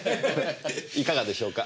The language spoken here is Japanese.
いかがでしょうか？